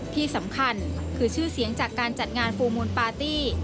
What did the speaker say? ที่สำคัญคือชื่อเสียงจากการจัดงานฟูลมูลปาร์ตี้